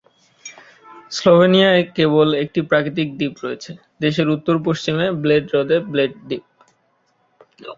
স্লোভেনিয়ায় কেবল একটি প্রাকৃতিক দ্বীপ রয়েছে: দেশের উত্তর-পশ্চিমে ব্লেড হ্রদে ব্লেড দ্বীপ।